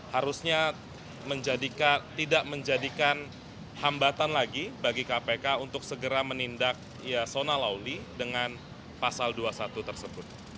harusnya tidak menjadikan hambatan lagi bagi kpk untuk segera menindak yasona lawli dengan pasal dua puluh satu tersebut